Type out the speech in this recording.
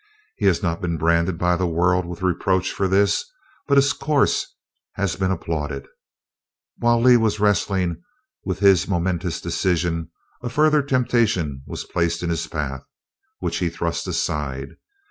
He has not been branded by the world with reproach for this; but his course has been applauded." While Lee was wrestling with his momentous decision, a further temptation was placed in his path, which he thrust aside.